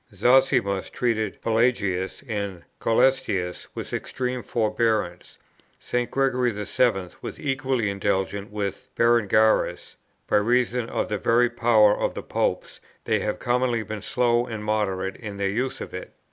Zosimus treated Pelagius and C[oe]lestius with extreme forbearance; St. Gregory VII. was equally indulgent with Berengarius: by reason of the very power of the Popes they have commonly been slow and moderate in their use of it.